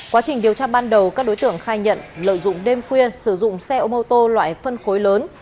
quá trình điều tra ban đầu các đối tượng khai nhận lợi dụng đêm khuya sử dụng xe ô tô loại phân khối lớn